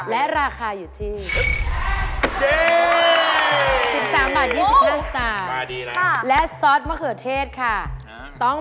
และราคาซอสมะเขิดเทศอยู่ที่